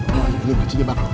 oh ya dulu masih jebak